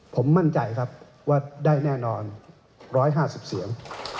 ผมมั่นใจครับว่าได้แน่นอน๑๕๐เสียง